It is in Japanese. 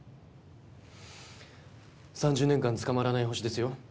３０年間捕まらないホシですよ。